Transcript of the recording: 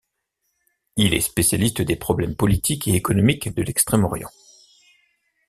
Il est spécialiste des problèmes politiques et économiques de l'Extrême-Orient.